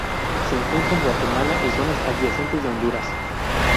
Se encuentra en Guatemala y zonas adyacentes de Honduras.